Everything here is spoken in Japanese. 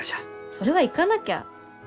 それは行かなきゃ。